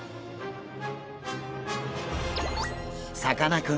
さかなクン